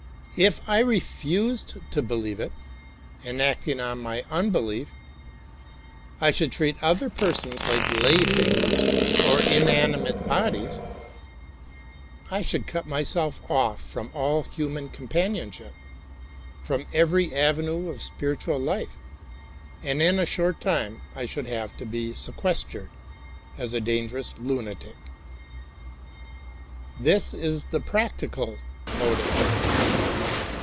If I refused to believe it, and, acting on my unbelief, I should THE LIVING WORD treat other persons like lay figures or inanimate bodies, I should cut myself off from all human companionship, from every avenue of spiritual life, and in a short time I should have to be sequestered as a dangerous lunatic. This is the Practical Motive.